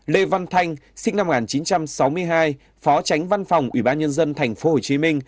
lê văn thanh sinh năm một nghìn chín trăm sáu mươi hai phó tránh văn phòng ủy ban nhân dân tp hcm